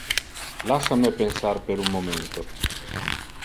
Lassa me pensar per un momento.